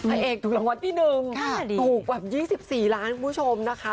เอกถูกรางวัลที่๑ถูกแบบ๒๔ล้านคุณผู้ชมนะคะ